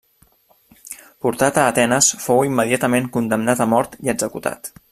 Portat a Atenes fou immediatament condemnat a mort i executat.